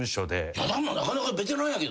や団もなかなかベテランやけど。